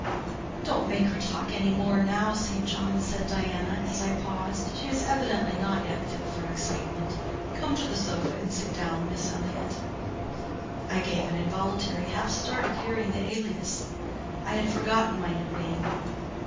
"Don't make her talk any more now, St. John," said Diana, as I paused; "she is evidently not yet fit for excitement. Come to the sofa and sit down now, Miss Elliott." I gave an involuntary half start at hearing the alias: I had forgotten my new name.